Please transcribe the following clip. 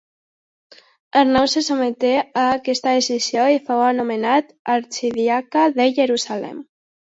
Arnau se sotmeté a aquesta decisió i fou nomenat arxidiaca de Jerusalem.